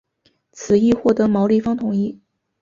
此议获得毛利方同意。